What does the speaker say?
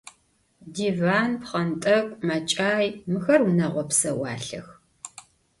Divan, pxhent'ek'u, meç'ay – mıxer vuneğo pseualhex.